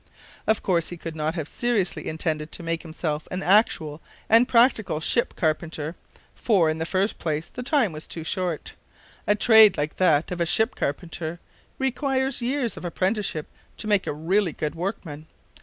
Of course, he could not have seriously intended to make himself an actual and practical ship carpenter, for, in the first place, the time was too short. A trade like that of a ship carpenter requires years of apprenticeship to make a really good workman.